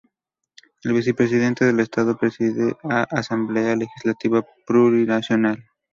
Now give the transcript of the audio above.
El vicepresidente del Estado preside la Asamblea Legislativa Plurinacional.